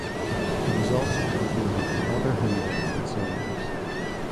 It is also contained in other hymnals and songbooks.